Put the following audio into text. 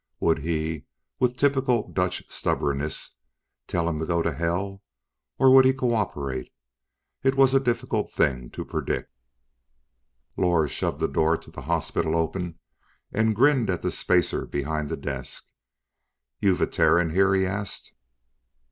Would he, with typical Dutch stubbornness, tell him to go to hell, or would he co operate? It was a difficult thing to predict. Lors shoved the door to the hospital open and grinned at the spacer behind the desk. "You've a Terran here?" He asked.